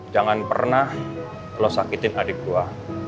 jangan pernah lo sakitin adik tua